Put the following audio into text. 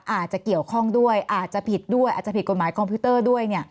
อาจจะเกี่ยวข้องด้วยอาจจะผิดด้วยอาจจะผิดกฎหมายคอมพิวเตอร์ด้วย